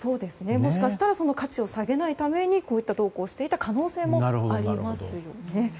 ルーブルの価値を下げないためにこういった投稿をしている可能性もあります。